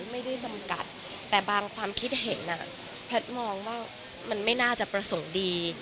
ไม่ได้จำกัดแต่บางความคิดเห็นแพทย์มองว่ามันไม่น่าจะประสงค์ดี